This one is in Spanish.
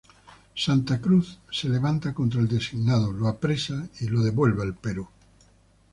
Santa Cruz se levanta contra el designado, lo apresa y lo devuelve al Perú.